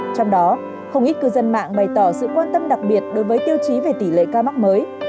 trong đó không ít cư dân mạng bày tỏ sự quan tâm đặc biệt đối với tiêu chí về tỷ lệ ca mắc mới